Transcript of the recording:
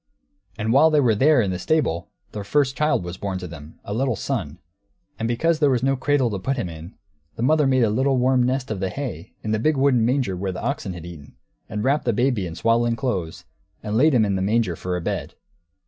And while they were there, in the stable, their first child was born to them, a little son. And because there was no cradle to put Him in, the mother made a little warm nest of the hay in the big wooden manger where the oxen had eaten, and wrapped the baby in swaddling clothes, and laid Him in the manger, for a bed!